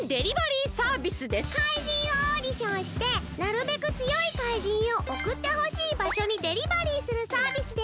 怪人をオーディションしてなるべくつよい怪人をおくってほしいばしょにデリバリーするサービスです！